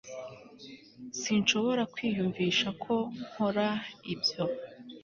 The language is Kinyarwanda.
sinshobora kwiyumvisha ko nkora ibyo